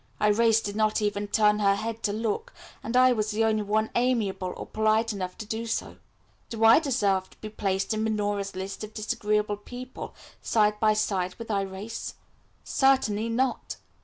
Irais did not even turn her head to look, and I was the only one amiable or polite enough to do so. Do I deserve to be placed in Minora's list of disagreeable people side by side with Irais? Certainly not.